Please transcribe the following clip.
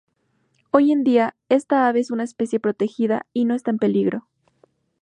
Hoy en día, esta ave es una especie protegida y no está en peligro.